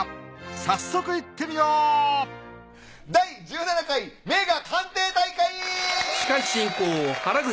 早速いってみよう第１７回名画鑑定大会！